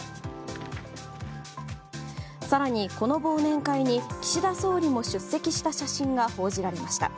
更に、この忘年会に岸田総理も出席した写真が報じられました。